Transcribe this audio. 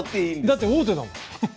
だって王手だもん。